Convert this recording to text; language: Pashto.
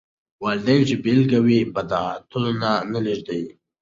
والدين چې بېلګه وي، بد عادتونه نه لېږدېږي.